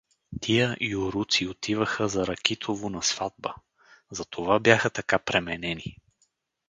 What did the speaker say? Тия юруци отиваха за Ракитово на сватба, затова бяха така пременени.